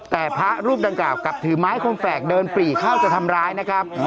แต่พระรูปดังกล่าวกลับถือไม้คมแฝกเดินปรีเข้าจะทำร้ายนะครับ